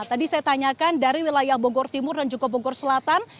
tadi saya tanyakan dari wilayah bogor timur dan juga bogor selatan